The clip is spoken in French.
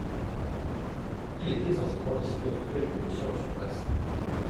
Il était essentiellement destiné au stockage de munitions en surface.